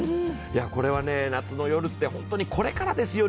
これは夏の夜って、本当にこれからですよ。